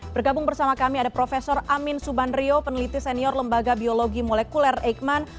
bergabung bersama kami ada prof amin subandrio peneliti senior lembaga biologi molekuler eikman